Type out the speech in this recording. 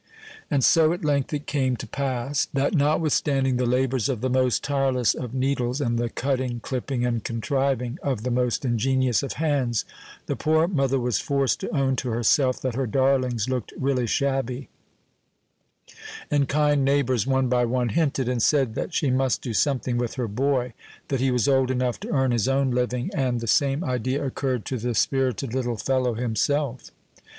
And so at length it came to pass that, notwithstanding the labors of the most tireless of needles, and the cutting, clipping, and contriving of the most ingenious of hands, the poor mother was forced to own to herself that her darlings looked really shabby, and kind neighbors one by one hinted and said that she must do something with her boy that he was old enough to earn his own living; and the same idea occurred to the spirited little fellow himself.